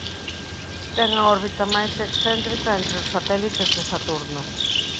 Ten a órbita máis excéntrica entre os satélites de Saturno.